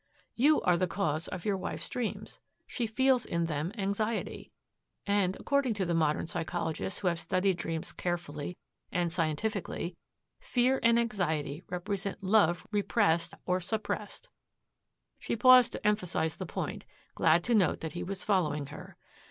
"You are the cause of your wife's dreams. She feels in them anxiety. And, according to the modern psychologists who have studied dreams carefully and scientifically, fear and anxiety represent love repressed or suppressed." She paused to emphasize the point, glad to note that he was following her.